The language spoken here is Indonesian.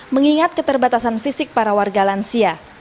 mengingat keterbatasan fisik para warga lansia